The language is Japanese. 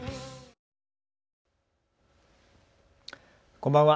こんばんは。